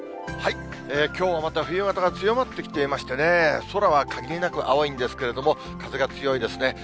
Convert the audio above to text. きょうはまた冬型が強まってきていましてね、空は限りなく青いんですけれども、風が強いですね。